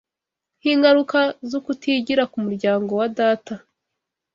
nk’ingaruka z’ukutigira k’umuryango wa data